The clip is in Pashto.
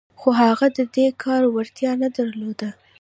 خو هغه د دې کار وړتيا نه درلوده.